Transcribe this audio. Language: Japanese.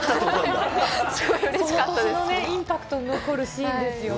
すごくインパクトが残るシーンですよね。